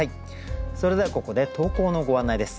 それではここで投稿のご案内です。